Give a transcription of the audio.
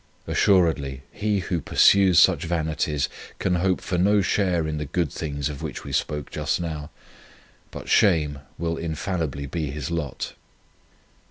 Assuredly he who pursues such vanities can hope for no share in the good things of which we spoke just now, but shame will infallibly be his lot.